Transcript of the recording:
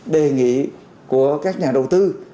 đề nghị của các nhà đầu tư